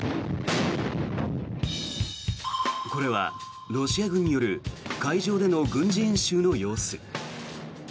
これはロシア軍による海上での軍事演習の様子。